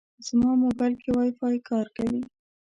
زما موبایل کې وايفای کار کوي.